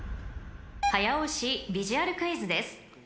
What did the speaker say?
［早押しビジュアルクイズです］